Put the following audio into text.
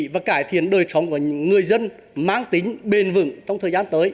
và cải thiện đời sống của những người dân mang tính bền vững trong thời gian tới